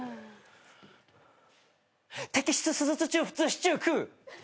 摘出手術中普通シチュー食う？